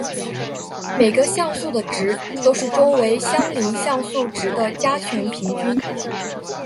每个像素的值都是周围相邻像素值的加权平均。